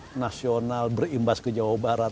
ekonomi nasional berimbas ke jawa barat